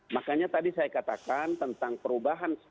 makanya tadi saya katakan tentang perubahan